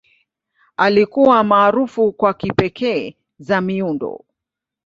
Alikuwa maarufu kwa kipekee za miundo.